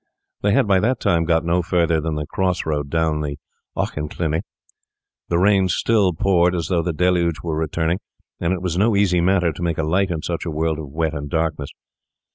They had by that time got no farther than the cross road down to Auchenclinny. The rain still poured as though the deluge were returning, and it was no easy matter to make a light in such a world of wet and darkness.